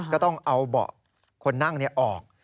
ก็ต้องเอาเบาะคนนั่งออก